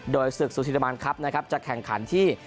โดยศึกซูชิดามันครับนะครับจะแข่งขันที่